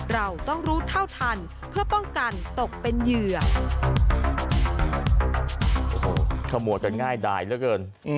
เราต้องรู้เท่าทันเพื่อป้องกันตกเป็นเหยื่อ